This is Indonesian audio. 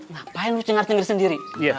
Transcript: ngapain lo cengar cengar sendiri